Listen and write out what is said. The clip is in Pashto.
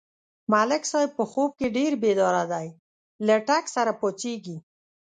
ملک صاحب په خوب کې ډېر بیداره دی، له ټک سره پا څېږي.